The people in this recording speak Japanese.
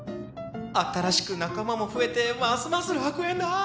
新しく仲間も増えてますます楽園だ！